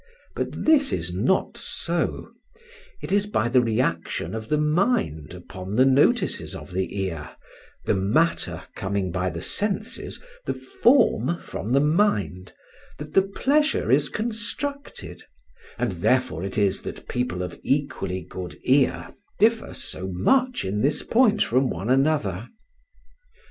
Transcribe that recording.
But this is not so; it is by the reaction of the mind upon the notices of the ear (the matter coming by the senses, the form from the mind) that the pleasure is constructed, and therefore it is that people of equally good ear differ so much in this point from one another.